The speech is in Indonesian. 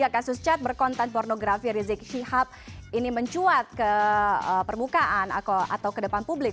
kasus cat berkonten pornografi rizik syihab ini mencuat ke permukaan atau ke depan publik